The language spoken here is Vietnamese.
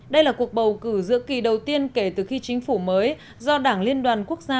đây là cuộc bầu cử giữa kỳ đầu tiên kể từ khi chính phủ mới do đảng liên đoàn quốc gia